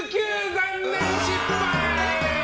残念、失敗！